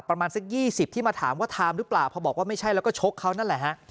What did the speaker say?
ประมาณสัก๒๐ที่มาถามว่าไทม์หรือเปล่าพอบอกว่าไม่ใช่แล้วก็ชกเขานั่นแหละฮะ